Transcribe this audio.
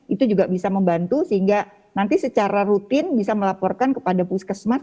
itu juga bisa membantu sehingga nanti secara rutin bisa melaporkan kepada puskesmas